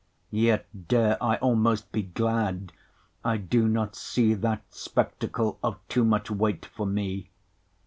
Yet dare I'almost be glad, I do not see 15 That spectacle of too much weight for mee.